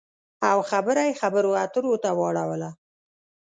او خبره یې خبرو اترو ته واړوله